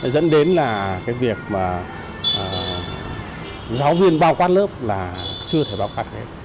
dẫn đến là việc giáo viên bao quát lớp là chưa thể bao quát hết